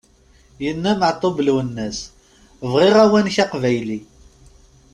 Yenna Meɛtub Lwennas: "bɣiɣ awanek aqbayli!"